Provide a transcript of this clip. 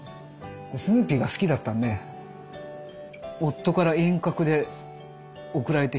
スヌーピーが好きだったんで夫から遠隔で贈られてきて。